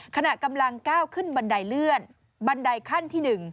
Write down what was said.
ขณะกำลังก้าวขึ้นบันไดเลื่อนบันไดขั้นที่๑